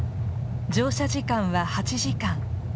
乗車時間は８時間。